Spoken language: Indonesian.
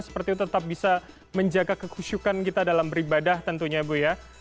seperti itu tetap bisa menjaga kekusukan kita dalam beribadah tentunya bu